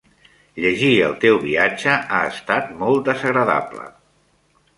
Llegir el teu viatge ha estat molt desagradable.